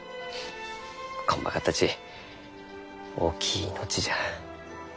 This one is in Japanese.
こんまかったち大きい命じゃ。